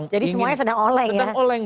jadi semuanya sedang oleng ya